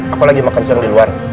aku lagi makan siang di luar